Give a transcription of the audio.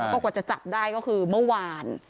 ก็กว่าจะจับได้ก็คือเมื่อวาน